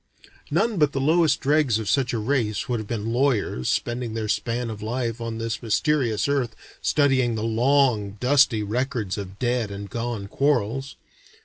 None but the lowest dregs of such a race would have been lawyers spending their span of life on this mysterious earth studying the long dusty records of dead and gone quarrels.